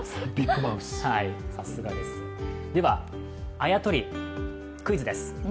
あやとり、クイズです。